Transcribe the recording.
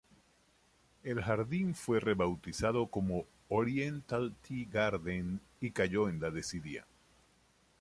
El jardín fue rebautizado como "Oriental Tea Garden" y cayó en la desidia.